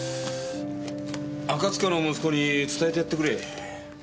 赤塚の息子に伝えてやってくれ。